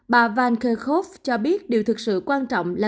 bà van kerkhove cho biết điều thực sự quan trọng là